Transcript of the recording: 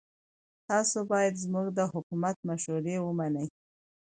تاسو باید زموږ د حکومت مشورې ومنئ.